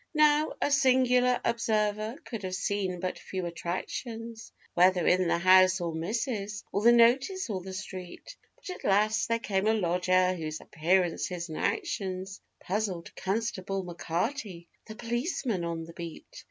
Now, a singular observer could have seen but few attractions Whether in the house, or 'missus, or the notice, or the street, But at last there came a lodger whose appearances and actions Puzzled Constable M'Carty, the policeman on the beat.